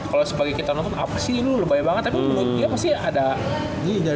kalau sebagai kita nonton apa sih ini lo lebih banyak tapi menurut dia pasti ya ada